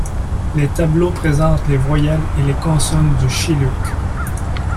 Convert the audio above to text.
Les tableaux présentent les voyelles et les consonnes du shilluk.